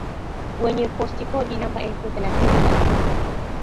wenye postikodi namba elfu thelathini na moja